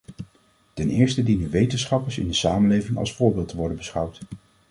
Ten eerste dienen wetenschappers in de samenleving als voorbeeld te worden beschouwd.